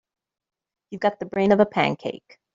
You've got the brain of a pancake.